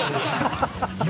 ハハハ